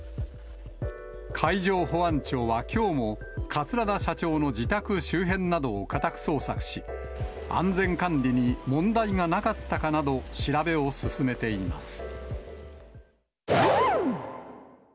海上保安庁はきょうも、桂田社長の自宅周辺などを家宅捜索し、安全管理に問題がなかったかなど調べを進めています。